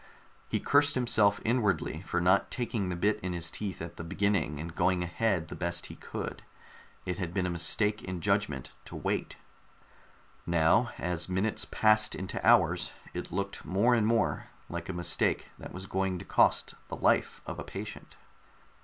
He cursed himself inwardly for not taking the bit in his teeth at the beginning and going ahead the best he could; it had been a mistake in judgment to wait. Now, as minutes passed into hours it looked more and more like a mistake that was going to cost the life of a patient.